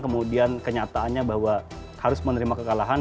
kemudian kenyataannya bahwa harus menerima kekalahan